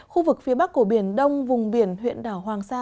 khu vực phía bắc của biển đông vùng biển huyện đảo hoàng sa